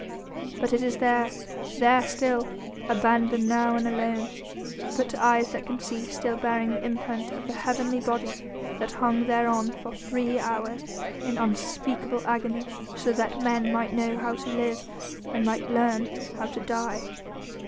But it is there there still, abandoned now and alone, but to eyes that can see, still bearing the imprint of the heavenly body that hung thereon for three hours in unspeakable agony so that men might know how to live and might learn how to die."